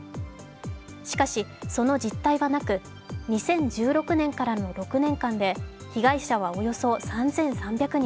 しかし、その実体はなく、２０１６年からの６年間で被害者はおよそ３３００人。